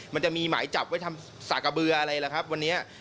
มันจะมีหมายจับไว้ทำสากะเบืออะไรล่ะครับวันนี้